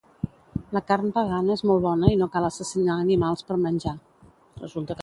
La carn vegana és molt bona i no cal assassinar animals per menjar